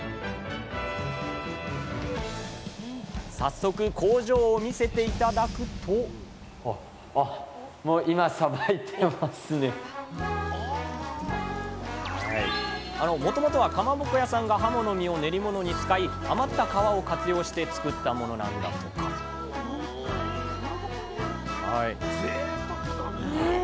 早速工場を見せて頂くともともとはかまぼこ屋さんがはもの身を練り物に使い余った皮を活用して作ったものなんだとかぜいたくだね。